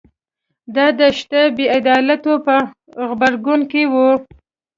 دا د شته بې عدالتیو په غبرګون کې و